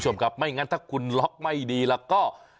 ไม่งั้นถ้าคุณล็อคไม่ดีละก็